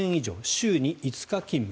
週に５日勤務。